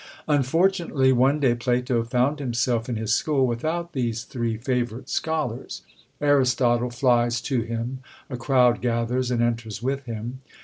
Unfortunately one day Plato found himself in his school without these three favourite scholars. Aristotle flies to him a crowd gathers and enters with him.